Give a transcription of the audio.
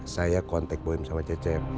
saya kontak boem sama cecep